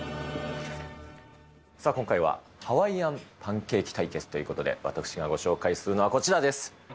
さあ、今回はハワイアンパンケーキ対決ということで、私がご紹介するのはこちらです。